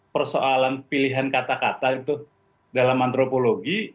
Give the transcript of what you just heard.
persoalan pilihan kata kata itu dalam antropologi